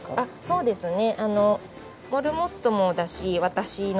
そうですね。